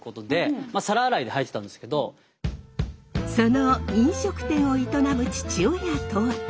その飲食店を営む父親とは。